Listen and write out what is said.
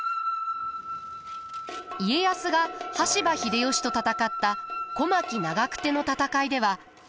家康が羽柴秀吉と戦った小牧長久手の戦いでは。